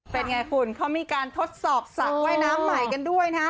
เป็นไงคุณเขามีการทดสอบสระว่ายน้ำใหม่กันด้วยนะฮะ